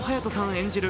演じる